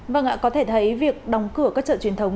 vâng ạ có thể thấy việc đóng cửa các chợ truyền thống